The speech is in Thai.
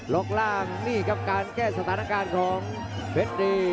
กล่างนี่ครับการแก้สถานการณ์ของเพชรดี